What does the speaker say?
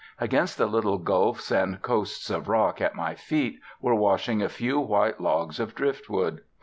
Against the little gulfs and coasts of rock at my feet were washing a few white logs of driftwood.